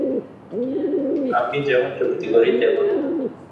আমি যেমন চুক্তি করি, তেমনই।